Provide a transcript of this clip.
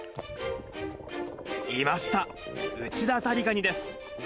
いました、ウチダザリガニです。